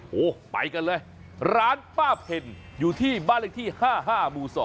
โอ้โหไปกันเลยร้านป้าเพ็ญอยู่ที่บ้านเลขที่๕๕หมู่๒